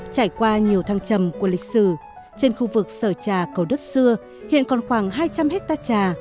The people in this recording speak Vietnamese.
trải qua nhiều thăng trầm của lịch sử trên khu vực sở trà cầu đất xưa hiện còn khoảng hai trăm linh hectare trà